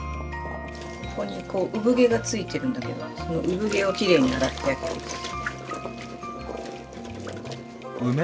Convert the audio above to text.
ここにこう産毛がついてるんだけどその産毛をきれいに洗ってあげる。